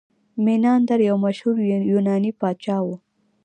میناندر یو مشهور یوناني پاچا و